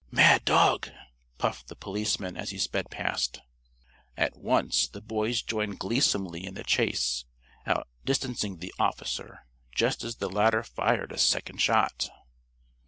"Mad dog!" puffed the policeman as he sped past. At once the boys joined gleesomely in the chase, outdistancing the officer, just as the latter fired a second shot.